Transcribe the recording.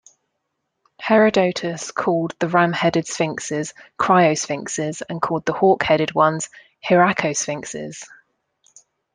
Herodotus called the ram-headed sphinxes Criosphinxes and called the hawk-headed ones Hieracosphinxes.